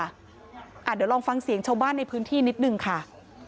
เดี๋ยวลองฟังเสียงชาวบ้านในพื้นที่นิดนึงค่ะ